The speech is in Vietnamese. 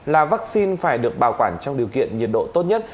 là vaccine phải được bảo quản trong điều kiện nhiệt độ tốt nhất